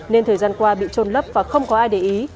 nên thời gian qua bị trôn lấp và không có ai để ý